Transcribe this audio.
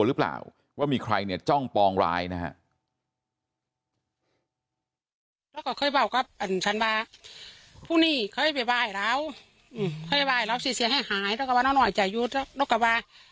หรือเปล่าว่ามีใครเนี่ยจ้องปองร้ายนะฮะ